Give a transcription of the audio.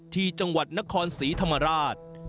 ที่จังหวัดนครศรีธรรมราช